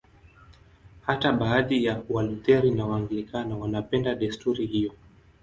Hata baadhi ya Walutheri na Waanglikana wanapenda desturi hiyo.